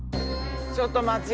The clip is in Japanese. ちょっと待ち。